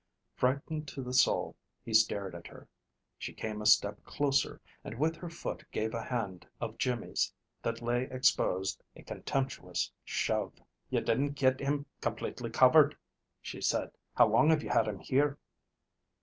Frightened to the soul, he stared at her. She came a step closer, and with her foot gave a hand of Jimmy's that lay exposed a contemptuous shove. "You didn't get him complately covered," she said. "How long have you had him here?"